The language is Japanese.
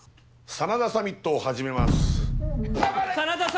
真田サミットを始めます。